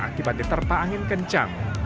akibat diterpa angin kencang